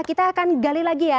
kita akan gali lagi ya